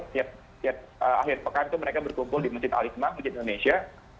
setiap akhir pekan itu mereka berkumpul di masjid al isma masjid indonesia